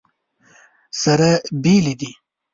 سره بېلې دي.